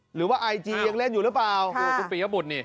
หรือว่าไอจียังเล่นอยู่หรือเปล่า